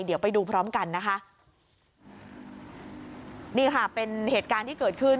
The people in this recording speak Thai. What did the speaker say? เดี๋ยวไปดูพร้อมกันนะคะนี่ค่ะเป็นเหตุการณ์ที่เกิดขึ้น